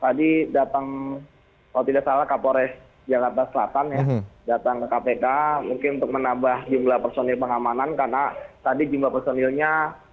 tadi datang kalau tidak salah kapolres jakarta selatan ya datang ke kpk mungkin untuk menambah jumlah personil pengamanan karena tadi jumlah personilnya